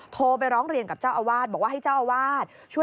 โทรไปร้องเรียนกับเจ้าอาวาสบอกว่าให้เจ้าอาวาส